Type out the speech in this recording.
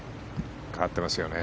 変わってますよね。